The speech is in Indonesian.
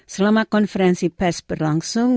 selama konferensi pes berlangsung